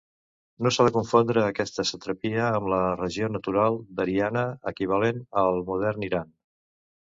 No s'ha de confondre aquesta satrapia amb la regió natural d'Ariana, equivalent al modern Iran.